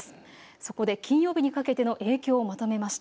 そこで金曜日にかけての影響をまとめました。